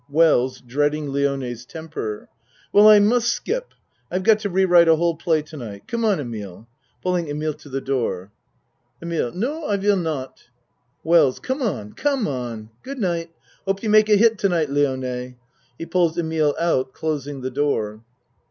WELLS (Dreading Lione's temper.) Well, I must skip. I've got to rewrite a whole play to night. Come on, Emile. (Pulling Emile to the door.) ACT I 31 EMILE No, I vill not WELLS Come on. Come on. Good night. Hope you make a hit to night, Lione. (He pulls Emile outj closing the door.)